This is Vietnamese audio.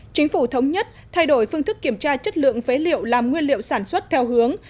chính phủ thống nhất thay đổi phương thức kiểm tra chất lượng phế liệu làm nguyên liệu sản xuất theo hướng